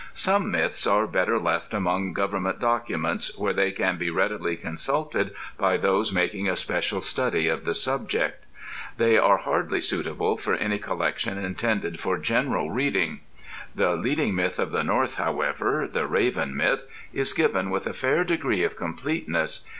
Such myths are better left among government documents where they can be readily consulted by those making a special study of the subject. They are hardly suitable for any collection intended for general reading. The leading myth of the North, however, the Raven Myth, is given with a fair degree of completeness.